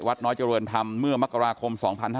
น้อยเจริญธรรมเมื่อมกราคม๒๕๕๙